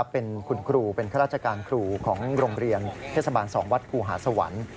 เป็นคุณครูเป็นข้าราชการครูของโรงเรียนเทศบาล๒วัดครูหาสวรรค์